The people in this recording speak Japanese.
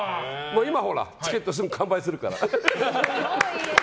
今、チケットすぐ完売するから。